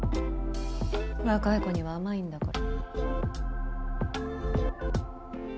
若い子には甘いんだから。